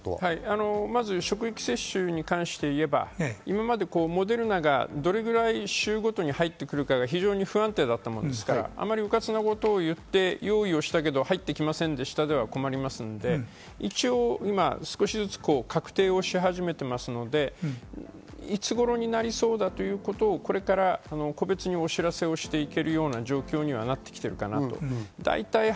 職域接種に関して言えば、今までモデルナがどれくらい週ごとに入ってくるかが非常に不安定だったものですから、うかつなことを言って用意したけど、入ってきませんでしたでは困りますので、一応、少しずつ確定をし始めてますので、いつごろになりそうだということをこれから個別にお知らせをしていけるような状況にはなってきてるかなと。